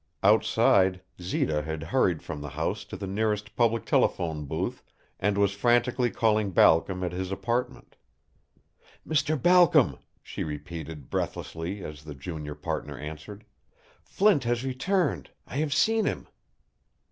Outside, Zita had hurried from the house to the nearest public telephone booth and was frantically calling Balcom at his apartment. "Mr. Balcom," she repeated, breathlessly, as the junior partner answered, "Flint has returned. I have seen him."